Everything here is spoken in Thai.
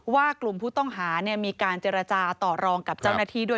ว่ากลุ่มผู้ต้องหามีการเจรจาต่อรองกับเจ้าหน้าที่ด้วย